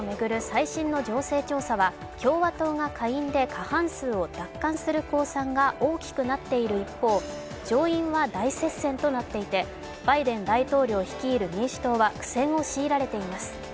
最新の情勢調査は共和党が下院で過半数を奪還する公算が大きくなっている一方上院は大接戦となっていて、バイデン大統領率いる民主党は苦戦を強いられています。